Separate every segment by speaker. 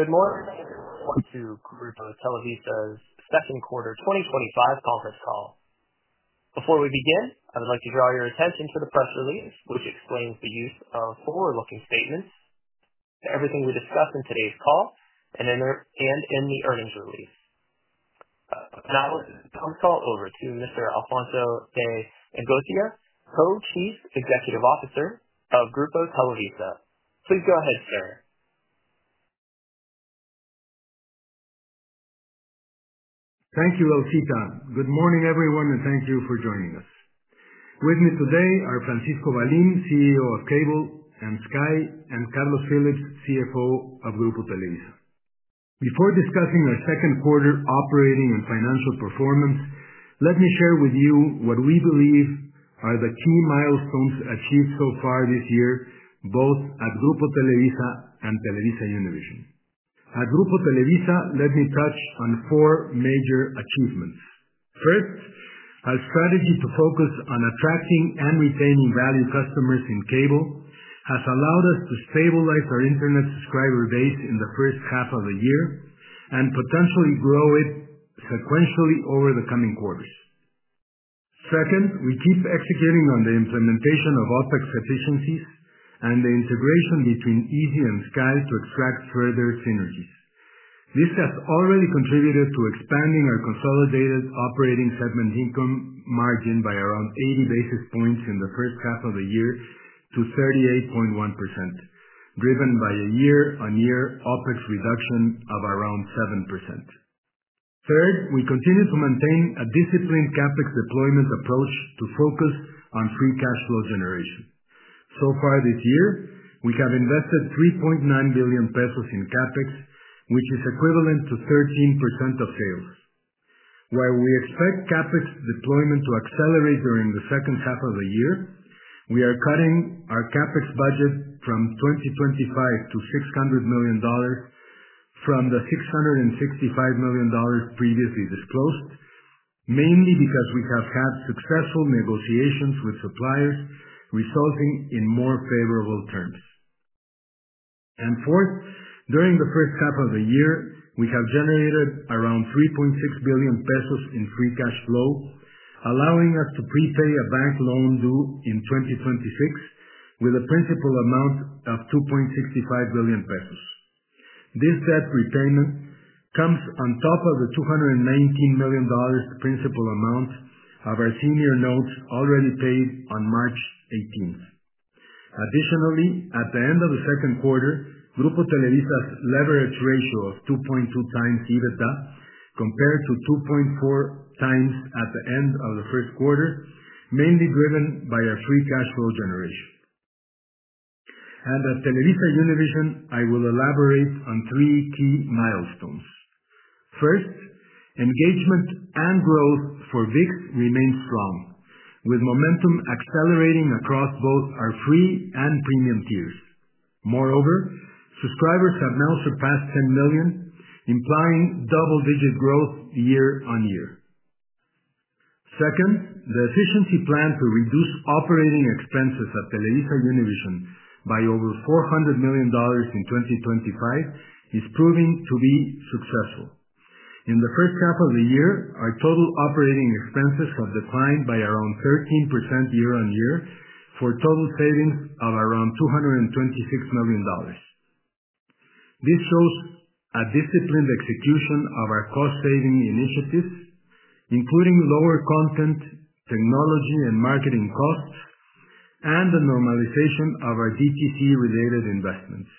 Speaker 1: Good morning. Welcome to Grupo Televisa's Second Quarter 2025 Conference all. Before we begin, I would like to draw your attention to the press release, which explains the use of forward-looking statements to everything we discuss in today's call and in the earnings release. Now, I'll turn it over to Mr. Alfonso de Angoitia, Co-Chief Executive Officer of Grupo Televisa. Please go ahead, sir.
Speaker 2: Thank you, Alcita. Good morning, everyone, and thank you for joining us. With me today are Francisco Valim, CEO of Cable and Sky, and Carlos Phillips, CFO of Grupo Televisa. Before discussing our second quarter operating and financial performance, let me share with you what we believe are the key milestones achieved so far this year, both at Grupo Televisa and TelevisaUnivision. At Grupo Televisa, let me touch on four major achievements. First, our strategy to focus on attracting and retaining value customers in Cable has allowed us to stabilize our Internet subscriber base in the first half of the year and potentially grow it sequentially over the coming quarters. Second, we keep executing on the implementation of OpEx efficiencies and the integration between Izzi and Sky to attract further synergies. This has already contributed to expanding our consolidated operating segment income margin by around 80 basis points in the first half of the year to 38.1%, driven by a year-on-year OpEx reduction of around 7%. Third, we continue to maintain a disciplined CapEx deployment approach to focus on free cash flow generation. So far this year, we have invested 3.9 billion pesos in CapEx, which is equivalent to 13% of sales. While we expect CapEx deployment to accelerate during the second half of the year, we are cutting our CapEx budget from 2025 to $600 million from the $665 million previously disclosed, mainly because we have had successful negotiations with suppliers, resulting in more favorable terms. Fourth, during the first half of the year, we have generated around 3.6 billion pesos in free cash flow, allowing us to prepay a bank loan due in 2026 with a principal amount of 2.65 billion pesos. This set prepayment comes on top of the $219 million principal amount of our senior notes already paid on March 18. Additionally, at the end of the second quarter, Grupo Televisa's leverage ratio is 2.2 times EBITDA compared to 2.4 times at the end of the first quarter, mainly driven by our free cash flow generation. At TelevisaUnivision, I will elaborate on three key milestones. First, engagement and growth for ViX remain strong, with momentum accelerating across both our free and premium tiers. Moreover, subscribers have now surpassed 10 million, implying double-digit growth year-on-year. Second, the efficiency plan to reduce operating expenses at TelevisaUnivision by over $400 million in 2025 is proving to be successful. In the first half of the year, our total operating expenses have declined by around 13% year-on-year for a total savings of around $226 million. This shows a disciplined execution of our cost-saving initiatives, including lower content, technology, and marketing costs, and the normalization of our DTC-related investments.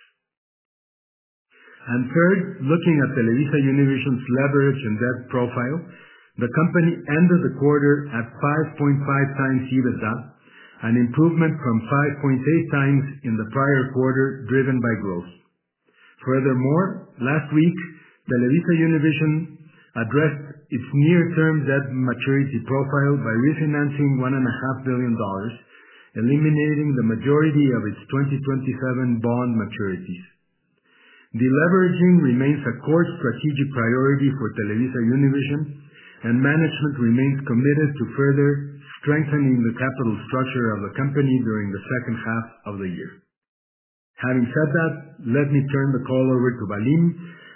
Speaker 2: Third, looking at TelevisaUnivision's leverage and debt profile, the company ended the quarter at 5.5 times EBITDA, an improvement from 5.8 times in the prior quarter, driven by growth. Furthermore, last week, TelevisaUnivision addressed its near-term debt maturity profile by refinancing $1.5 billion, eliminating the majority of its 2027 bond maturities. Deleveraging remains a core strategic priority for TelevisaUnivision, and management remains committed to further strengthening the capital structure of the company during the second half of the year. Having said that, let me turn the call over to Valim,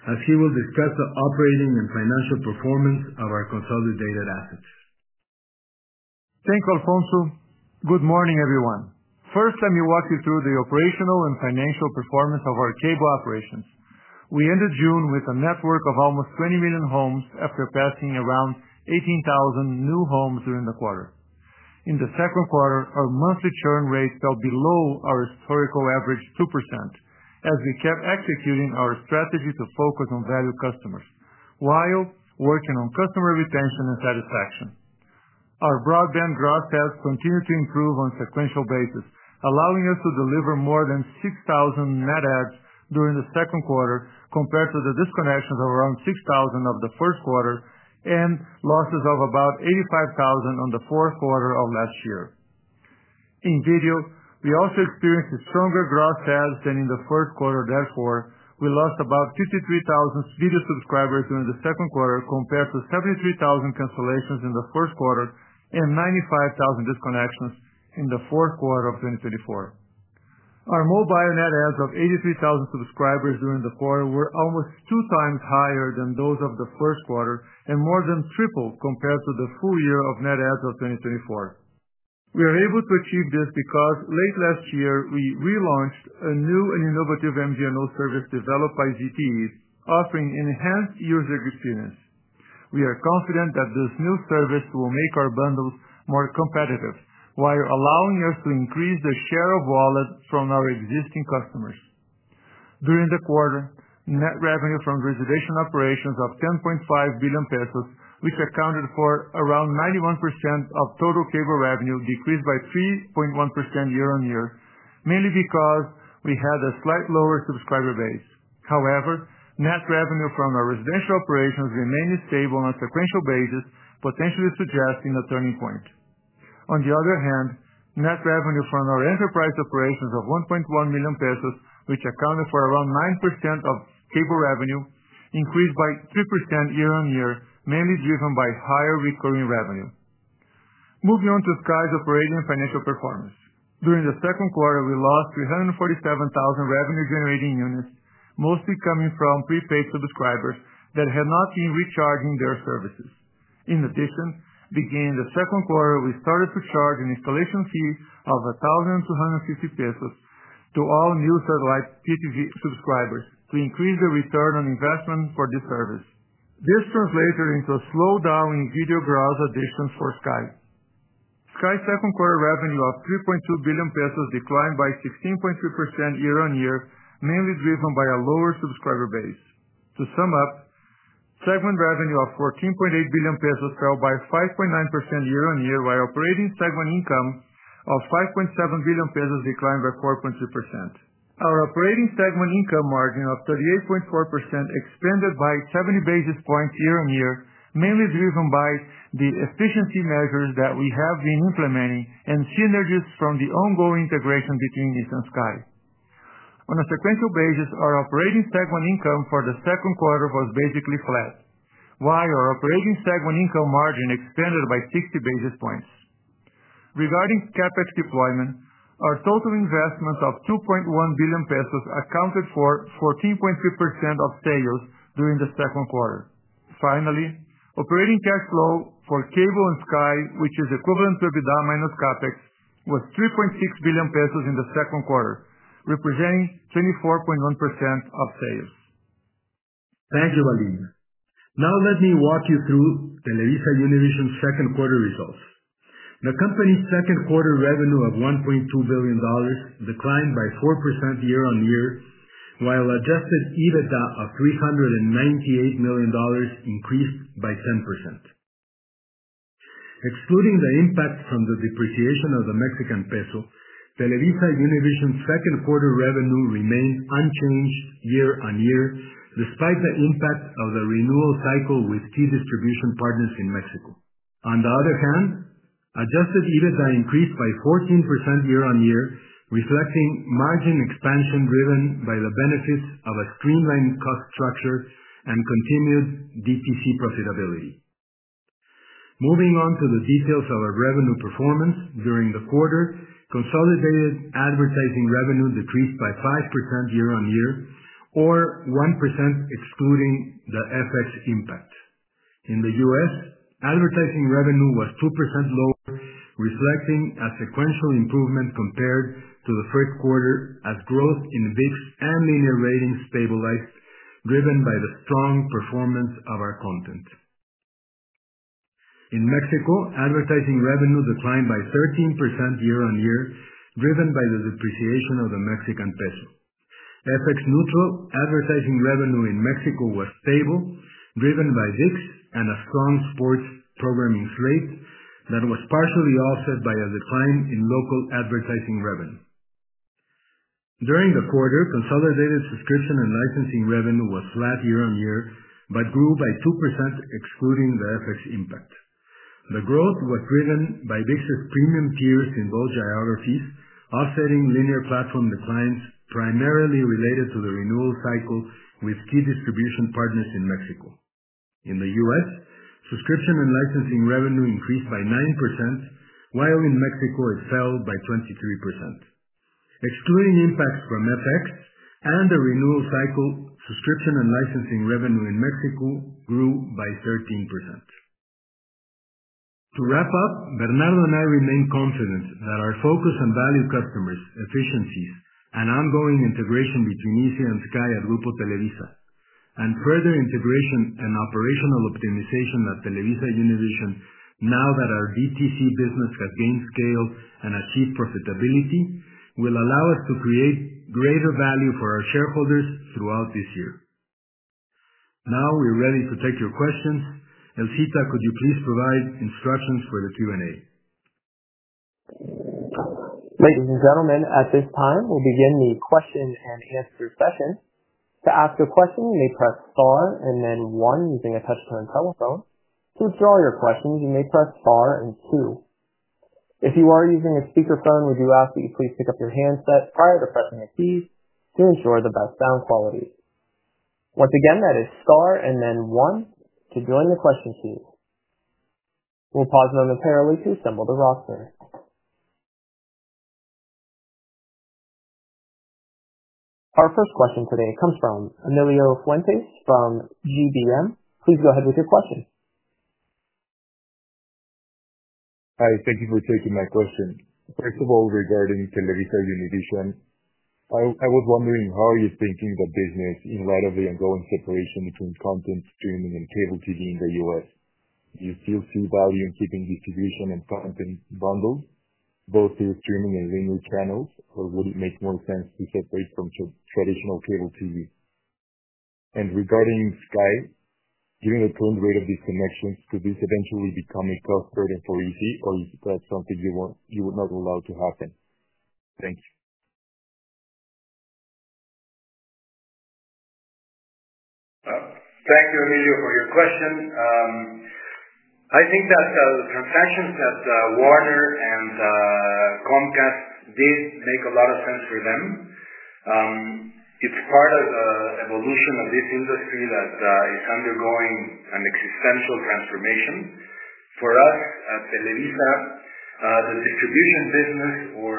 Speaker 2: as he will discuss the operating and financial performance of our consolidated assets.
Speaker 3: Thank you, Alfonso. Good morning, everyone. First, let me walk you through the operational and financial performance of our cable operations. We ended June with a network of almost 20 million homes, after passing around 18,000 new homes during the quarter. In the second quarter, our monthly churn rate fell below our historical average of 2%, as we kept executing on our strategy to focus on value customers while working on customer retention and satisfaction. Our broadband gross sales continued to improve on a sequential basis, allowing us to deliver more than 6,000 net additions during the second quarter, compared to the disconnections of around 6,000 of the first quarter and losses of about 85,000 in the fourth quarter of last year. In video, we also experienced stronger gross sales than in the first quarter. Therefore, we lost about 53,000 video subscribers during the second quarter, compared to 73,000 cancellations in the first quarter and 95,000 disconnections in the fourth quarter of 2024. Our mobile net additions of 83,000 subscribers during the quarter were almost two times higher than those of the first quarter and more than tripled compared to the full year of net additions of 2024. We are able to achieve this because late last year, we relaunched a new and innovative MVNO service developed by ZTE, offering an enhanced user experience. We are confident that this new service will make our bundles more competitive, while allowing us to increase the share of wallet from our existing customers. During the quarter, net revenue from residential operations of 10.5 billion pesos, which accounted for around 91% of total cable revenue, decreased by 3.1% year-on-year, mainly because we had a slightly lower subscriber base. However, net revenue from our residential operations remained stable on a sequential basis, potentially suggesting a turning point. On the other hand, net revenue from our enterprise operations of 1.1 billion pesos, which accounted for around 9% of cable revenue, increased by 3% year-on-year, mainly driven by higher recurring revenue. Moving on to Sky's operating and financial performance. During the second quarter, we lost 347,000 revenue-generating units, mostly coming from prepaid subscribers that had not been recharging their services. In addition, beginning the second quarter, we started to charge an installation fee of 1,250 pesos to all new satellite television subscribers to increase the return on investment for this service. This translated into a slowdown in video subscriber addition for Sky. Sky's second quarter revenue of 3.2 billion pesos declined by 16.3% year-on-year, mainly driven by a lower subscriber base. To sum up, segment revenue of 14.8 billion pesos fell by 5.9% year-on-year, while operating segment income of 5.7 billion pesos declined by 4.3%. Our operating segment income margin of 38.4% expanded by 70 basis points year-on-year, mainly driven by the efficiency measures that we have been implementing and synergies from the ongoing integration between Izzi and Sky. On a sequential basis, our operating segment income for the second quarter was basically flat, while our operating segment income margin expanded by 60 basis points. Regarding CapEx deployment, our total investment of 2.1 billion pesos accounted for 14.3% of sales during the second quarter. Finally, operating cash flow for cable and Sky, which is equivalent to EBITDA minus CapEx, was 3.6 billion pesos in the second quarter, representing 24.1% of sales.
Speaker 2: Thank you, Valim. Now, let me walk you through TelevisaUnivision's second quarter results. The company's second quarter revenue of $1.2 billion declined by 4% year-on-year, while adjusted EBITDA of $398 million increased by 10%. Excluding the impact from the depreciation of the Mexican peso, TelevisaUnivision's second quarter revenue remained unchanged year-on-year, despite the impact of the renewal cycle with key distribution partners in Mexico. On the other hand, adjusted EBITDA increased by 14% year-on-year, reflecting margin expansion driven by the benefits of a streamlined cost structure and continued DTC profitability. Moving on to the details of our revenue performance during the quarter, consolidated advertising revenue decreased by 5% year-on-year, or 1% excluding the FX impact. In the U.S., advertising revenue was 2% lower, reflecting a sequential improvement compared to the first quarter, as growth in ViX and linear ratings stabilized, driven by the strong performance of our content. In Mexico, advertising revenue declined by 13% year-on-year, driven by the depreciation of the Mexican peso. FX-neutral advertising revenue in Mexico was stable, driven by this and a strong sports programming rate that was partially offset by a decline in local advertising revenue. During the quarter, consolidated subscription and licensing revenue was flat year-on-year, but grew by 2% excluding the FX impact. The growth was driven by ViX's premium tiers in both geographies, offsetting linear platform declines primarily related to the renewal cycle with key distribution partners in Mexico. In the U.S., subscription and licensing revenue increased by 9%, while in Mexico, it fell by 23%. Excluding impact from FX and the renewal cycle, subscription and licensing revenue in Mexico grew by 13%. To wrap up, Bernardo and I remain confident that our focus on value customers, efficiencies, and ongoing integration between Izzi and Sky at Grupo Televisa, and further integration and operational optimization at TelevisaUnivision, now that our DTC business has gained scale and achieved profitability, will allow us to create greater value for our shareholders throughout this year. Now we're ready to take your questions. Alcita, could you please provide instructions for the Q&A?
Speaker 1: Thank you, gentlemen. At this time, we'll begin the question and answer session. To ask a question, you may press star and then one using a touch-tone telephone. To withdraw your question, you may press star and two. If you are using a speakerphone, we do ask that you please pick up your handsets prior to pressing your keys to ensure the best sound quality. Once again, that is star and then one to join the question queue. We'll pause momentarily to assemble the roster. Our first question today comes from Emilio Fuentes from GBM. Please go ahead with your question.
Speaker 4: Hi. Thank you for taking my question. First of all, regarding TelevisaUnivision, I was wondering how you're thinking of business in light of the ongoing separation between content, streaming, and cable TV in the U.S. Do you still see value in keeping distribution and content bundled, both through streaming and language channels, or would it make more sense to separate from traditional cable TV? Regarding Sky, given the current rate of disconnections, could this eventually become a cost burden for Izzi, or is it perhaps something you would not allow to happen? Thank you.
Speaker 2: Thanks, Emilio, for your question. I think that the transactions that Warner and Comcast did make a lot of sense for them. It's part of the evolution of this industry that is undergoing an existential transformation. For us at Grupo Televisa, the distribution business, or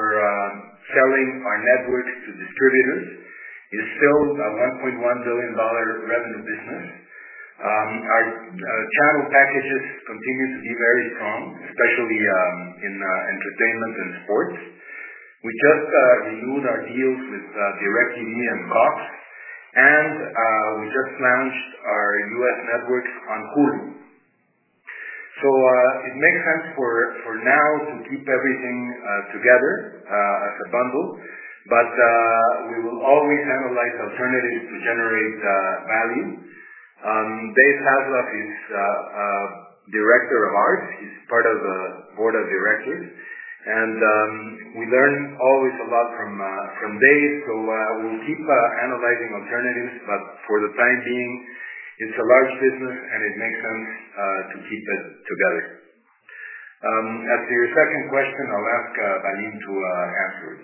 Speaker 2: selling our networks to distributors, is still a $1.1 billion revenue business. Our channel packages continue to be very strong, especially in entertainment and sports. We just renewed our deals with DIRECTV and Cox and we just launched our U.S. networks on Hulu. It makes sense for now to keep everything together as a bundle, but we will always analyze alternatives to generate value. Dave Zaslav is our Director of Arts. He's part of the Board of Directors, and we learn always a lot from Dave. We will keep analyzing alternatives, but for the time being, it's a large business, and it makes sense to keep it together. As to your second question, I'll ask Valim to answer it.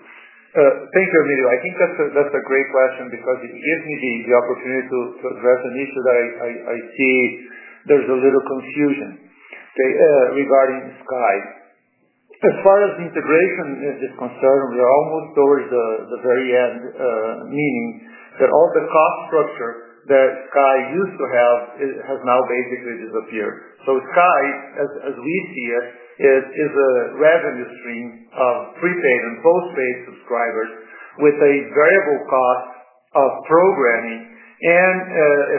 Speaker 3: Thank you, Emilio. I think that's a great question because it gives me the opportunity to address an issue that I see there's a little confusion regarding Sky. As far as the integration is concerned, we're almost towards the very end, meaning that all the cost structure that Sky used to have has now basically disappeared. Sky, as we see it, is a revenue stream of prepaid and postpaid subscribers with a variable cost of programming and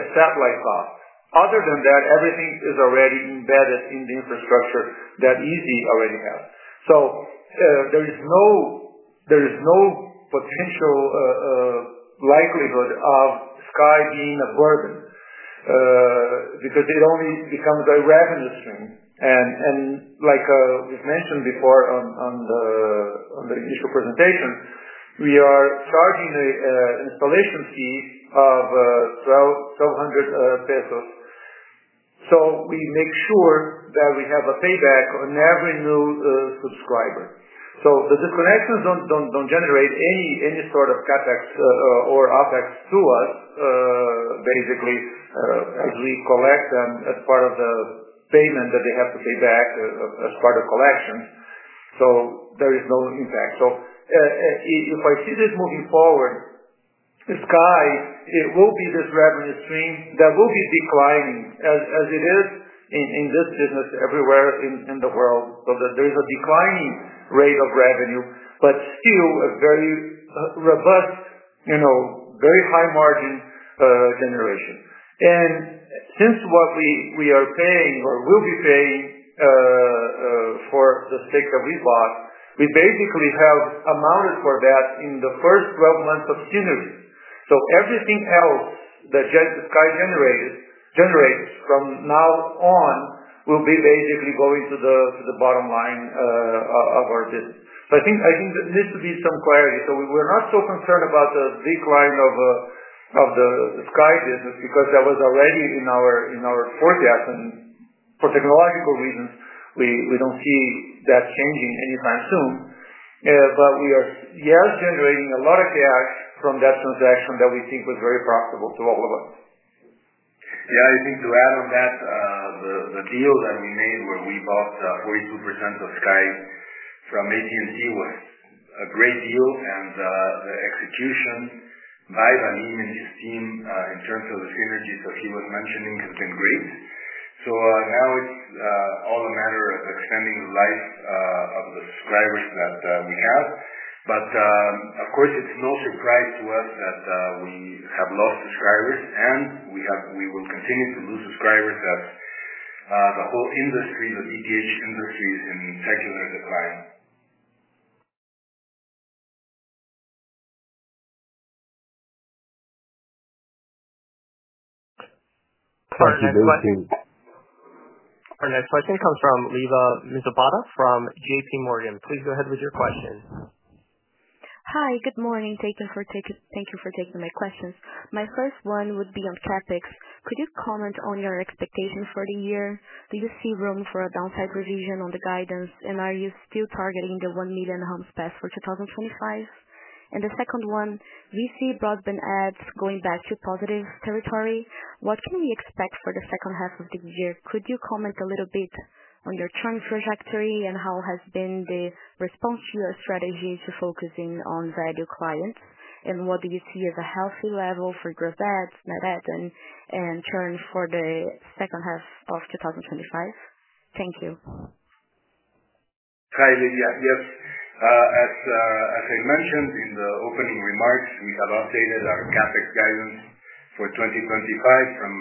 Speaker 3: a satellite cost. Other than that, everything is already embedded in the infrastructure that Izzi already has. There is no potential likelihood of Sky being a burden because it only becomes a revenue stream. Like we've mentioned before on the initial presentation, we are charging an installation fee of 1,200 pesos. We make sure that we have a payback on every new subscriber. The disconnections don't generate any sort of CapEx or OpEx to us. Basically, as we collect them as part of the payment that they have to pay back as part of collections, there is no impact. If I see this moving forward, Sky will be this revenue stream that will be declining, as it is in this business everywhere in the world. There is a declining rate of revenue, but still a very robust, very high margin generation. Since what we are paying or will be paying for the sticks that we bought, we basically have amounted for that in the first 12 months of stewards. Everything else that Sky generated from now on will be basically going to the bottom line of our business. I think there needs to be some clarity. We're not so concerned about the decline of the Sky business because that was already in our forecast. For technological reasons, we don't see that changing anytime soon. We are, yes, generating a lot of cash from that transaction that we think was very profitable to all of us.
Speaker 2: Yeah, I think to add on that, the deal that we made where we bought 42% of Sky from AT&T was a great deal. The execution by Valim and his team in terms of the synergy that he was mentioning has been great. It is all a matter of extending the life of the subscribers that we have. Of course, it's no surprise to us that we have lost subscribers, and we will continue to lose subscribers as the whole industry, the DTH industry, is in a secular decline.
Speaker 1: The next question comes from Olivia Mogavero from JPMorgan. Please go ahead with your question.
Speaker 5: Hi. Good morning. Thank you for taking my questions. My first one would be on CapEx. Could you comment on your expectations for the year? Do you see room for a downside revision on the guidance, and are you still targeting the 1 million homes pass for 2025? The second one, we see broadband ads going back to positive territory. What can we expect for the second half of the year? Could you comment a little bit on your churn trajectory and how has been the response to your strategy to focusing on value clients? What do you see as a healthy level for growth ads and churn for the second half of 2025? Thank you.
Speaker 2: Hi, Lydia. Yes. As I mentioned in the opening remarks, we have updated our CapEx guidance for 2025 from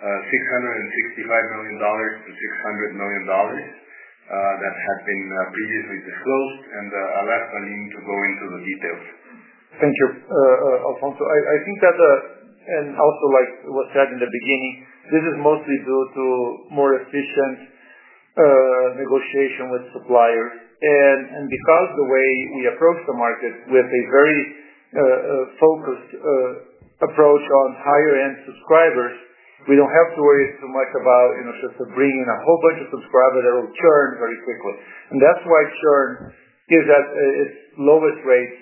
Speaker 2: $665 million-$600 million that has been previously disclosed. I'll ask Valim to go into the details.
Speaker 3: Thank you, Alfonso. I think that, as was said in the beginning, this is mostly due to more efficient negotiation with suppliers. Because of the way we approach the market with a very focused approach on higher-end subscribers, we don't have to worry so much about just bringing in a whole bunch of subscribers that will churn very quickly. That's why churn is at its lowest rates,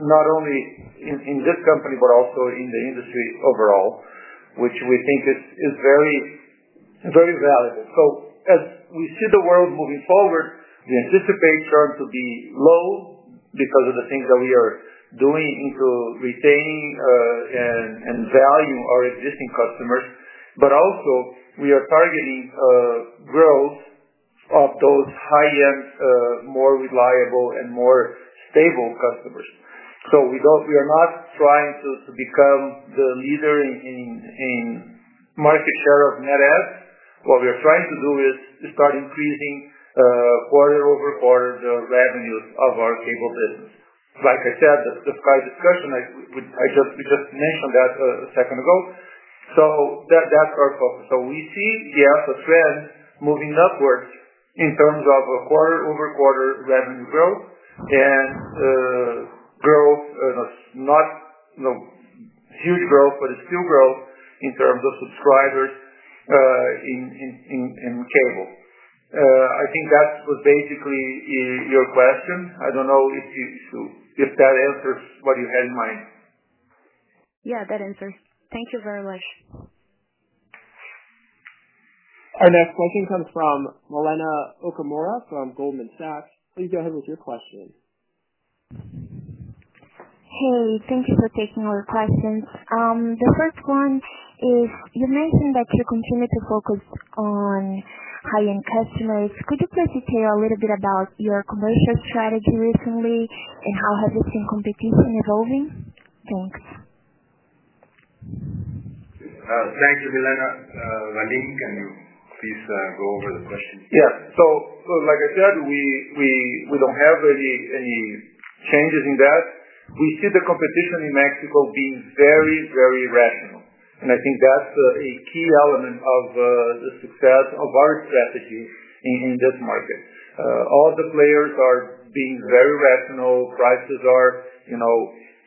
Speaker 3: not only in this company but also in the industry overall, which we think is very, very valuable. As we see the world moving forward, we anticipate churn to be low because of the things that we are doing to retain and value our existing customers. We are also targeting growth of those high-end, more reliable, and more stable customers. We are not trying to become the leader in market share of net additions. What we are trying to do is start increasing quarter-over-quarter the revenues of our cable business. Like I said, the price discussion, I just mentioned that a second ago. That's our focus. We see a trend moving upwards in terms of quarter over quarter revenue growth. Not huge growth, but it's still growth in terms of subscribers in cable. I think that was basically your question. I don't know if that answers what you had in mind.
Speaker 5: Yeah, that answers. Thank you very much.
Speaker 1: Our next question comes from Milenna Okamura from Goldman Sachs. Please go ahead with your question.
Speaker 6: Hello. Thank you for taking our questions. The first one, you mentioned that you continue to focus on high-end customers. Could you please detail a little bit about your competitor strategy recently, and how have you seen competition evolving? Thanks.
Speaker 2: Thank you, Milenna. Valim, can you please go over the question?
Speaker 3: Yeah. Like I said, we don't have any changes in that. We see the competition in Mexico being very, very rational. I think that's a key element of the success of our strategy in this market. All the players are being very rational. Prices are, you know,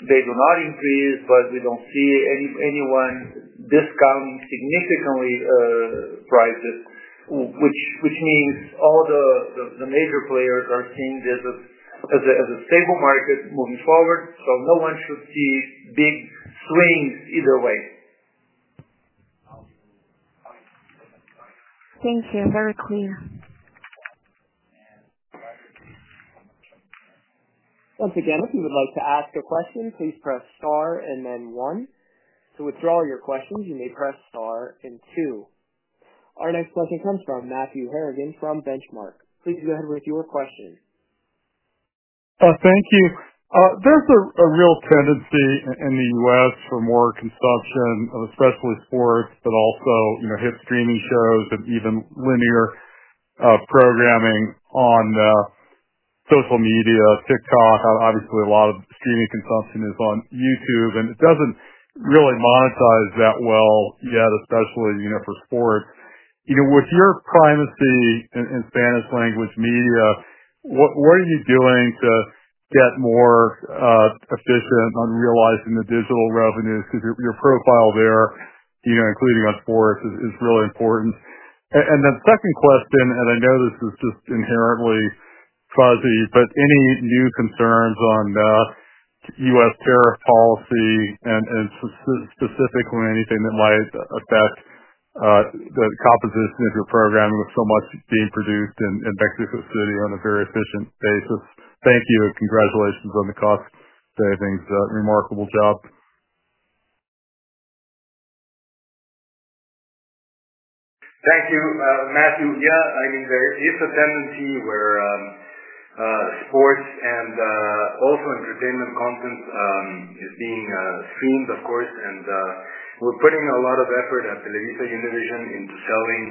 Speaker 3: they do not increase, but we don't see anyone discounting significantly prices, which means all the major players are seeing this as a stable market moving forward. No one should see big swings either way.
Speaker 6: Thank you. Very clear.
Speaker 1: Once again, if you would like to ask a question, please press star and then one. To withdraw your questions, you may press star and two. Our next question comes from Matthew Harrigan from Benchmark. Please go ahead with your question.
Speaker 7: Thank you. There's a real tendency in the U.S. for more consumption, especially sports, but also, you know, hit streaming shows and even linear programming on social media, TikTok. Obviously, a lot of streaming consumption is on YouTube, and it doesn't really monetize that well yet, especially, you know, for sports. With your primacy in Spanish-language media, what are you doing to get more efficient on realizing the digital revenues? Because your profile there, you know, including on sports, is really important. The second question, and I know this is just inherently fuzzy, but any new concerns on the U.S. tariff policy and specifically anything that might affect the composition of your programming with so much being produced in Mexico City on a very efficient basis? Thank you. Congratulations on the cost savings. Remarkable job.
Speaker 3: Thank you, Matthew. Yeah, I mean, there is a tendency where sports and also entertainment content is being streamed, of course. We're putting a lot of effort at TelevisaUnivision into selling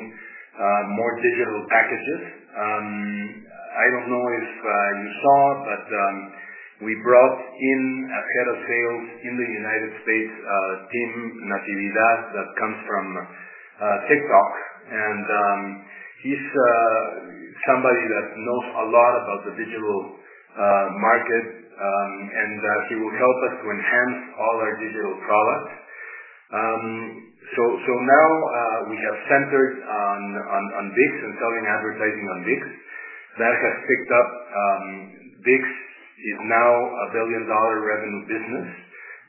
Speaker 3: more digital packages. I don't know if you saw, but we brought in a Head of Sales in the U.S., Tim Natividad, that comes from TikTok. He's somebody that knows a lot about the digital markets and that he will help us to enhance all our digital products. Now we have centered on ViX and selling advertising on ViX. That has picked up. ViX is now a billion-dollar revenue business,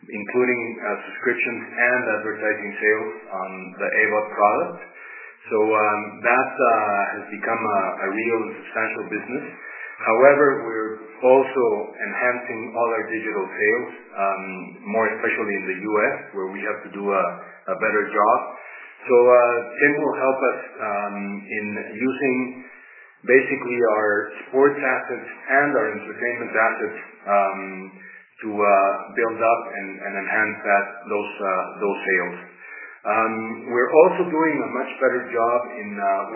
Speaker 3: including subscriptions and advertising sales on the AVOD product. That has become a real substantial business. However, we're also enhancing all our digital sales, more especially in the U.S., where we have to do a better job. Tim will help us in using basically our sports assets and our entertainment assets to build up and enhance those sales. We're also doing a much better job in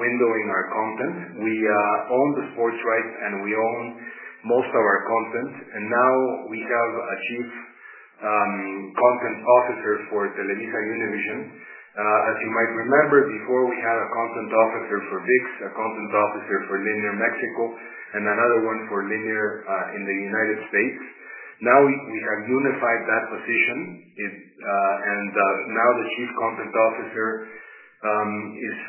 Speaker 3: windowing our content. We own the sports right, and we own most of our content. Now we have a Chief Content Officer for TelevisaUnivision. As you might remember, before we had a Content Officer for ViX, a Content Officer for Linear Mexico, and another one for Linear in the U.S. Now we have unified that position. Now the Chief Content Officer is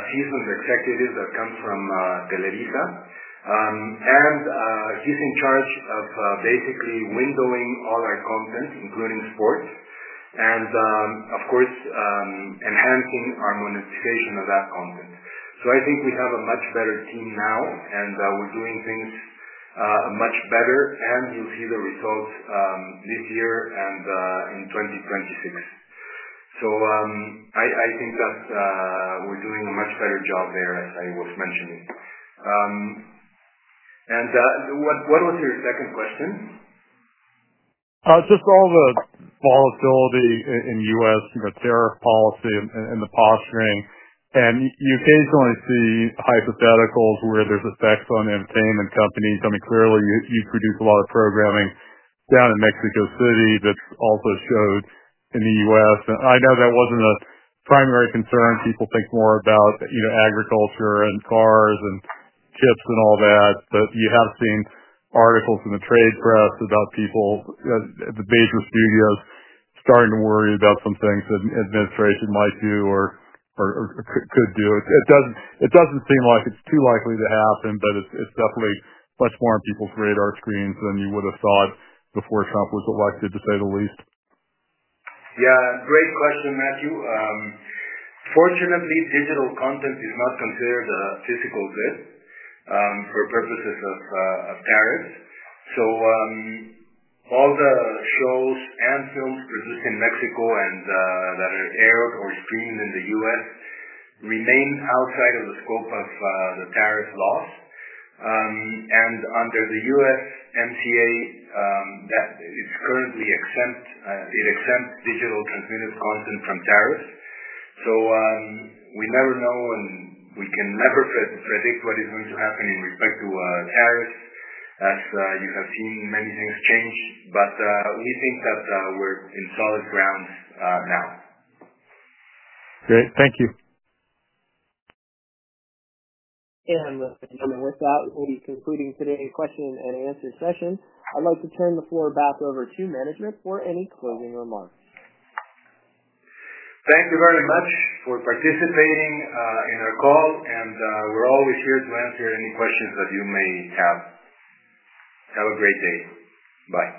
Speaker 3: a seasoned executive that comes from Televisa. He's in charge of basically windowing all our content, including sports, and of course, enhancing our monetization of that content. I think we have a much better team now, and we're doing things much better. You'll see the results this year and in 2026. I think that we're doing a much better job there, as I was mentioning. What was your second question?
Speaker 7: All the volatility in the U.S., the tariff policy and the posturing. You occasionally see hypotheticals where there's effects on entertainment companies. Clearly, you produce a lot of programming down in Mexico City that's also showed in the U.S. I know that wasn't a primary concern. People think more about agriculture and cars and chips and all that. You have seen articles in the trade press about people at the major studios starting to worry about some things that the administration might do or could do. It doesn't seem like it's too likely to happen, but it's definitely much more on people's radar screens than you would have thought before, if I was elected, to say the least.
Speaker 2: Yeah, great question, Matthew. Fortunately, digital content is not considered a physical ViX for purposes of tariffs. All the shows and films produced in Mexico and that are aired or streamed in the U.S. remain outside of the scope of the tariff laws. Under USMCA, it exempts digitally transmitted content from tariffs. We never know, and we can never predict what is going to happen in respect to tariffs, as you have seen many things change. We think that we're on solid ground now.
Speaker 7: Great. Thank you.
Speaker 1: With that, we'll be concluding today's question and answer session. I'd like to turn the floor back over to management for any closing remarks.
Speaker 2: Thank you very much for participating in our call. We're always here to answer any questions that you may have. Have a great day. Bye.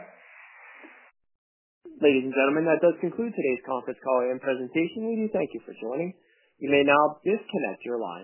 Speaker 1: Ladies and gentlemen, that does conclude today's conference call and presentation. We do thank you for joining. You may now disconnect your line.